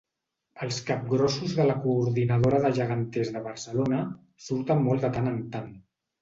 Els capgrossos de la Coordinadora de Geganters de Barcelona surten molt de tant en tant.